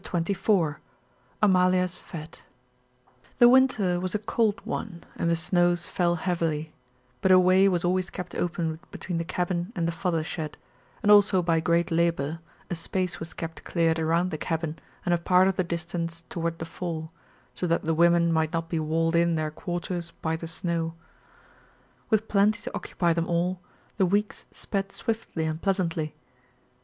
CHAPTER XXIV AMALIA'S FÊTE The winter was a cold one, and the snows fell heavily, but a way was always kept open between the cabin and the fodder shed, and also by great labor a space was kept cleared around the cabin and a part of the distance toward the fall so that the women might not be walled in their quarters by the snow. With plenty to occupy them all, the weeks sped swiftly and pleasantly.